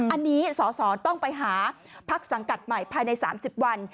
อันนี้สสต้องไปหาพักสังกัดใหม่ภายใน๓๐วัน